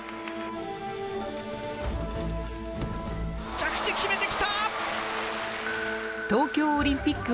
着地決めて来た！